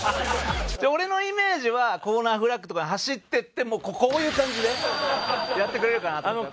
俺のイメージはコーナーフラッグとかに走っていってもうこういう感じでやってくれるかなと。